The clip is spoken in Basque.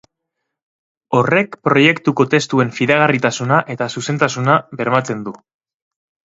Horrek proiektuko testuen fidagarritasuna eta zuzentasuna bermatzen du.